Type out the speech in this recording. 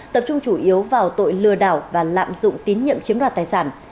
tập trung chủ yếu vào tội lừa đảo và lạm dụng tín nhiệm chiếm đoạt tài sản